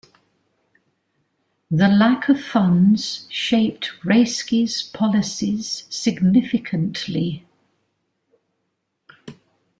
The lack of funds shaped Rayski's policies significantly.